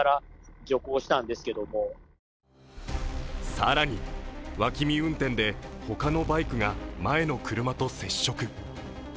更に脇見運転で他のバイクが前の車と接触。